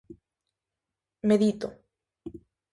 Medito.